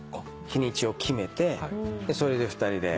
日にちを決めてそれで２人で。